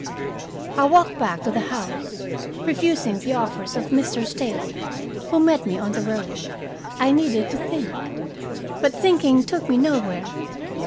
I walked back to the house, refusing the offices of Mr. Staley, who met me on the road. I needed to think. But thinking took me nowhere.